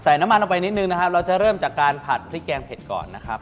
น้ำมันลงไปนิดนึงนะครับเราจะเริ่มจากการผัดพริกแกงเผ็ดก่อนนะครับ